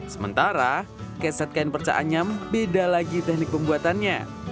sementara keset kain perca anyam beda lagi teknik pembuatannya